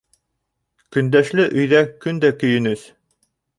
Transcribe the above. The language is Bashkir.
Көндәшле өйҙә көн дә көйөнөс.